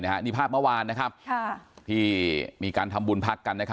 นี่ภาพเมื่อวานที่มีการทำบุญพักกัน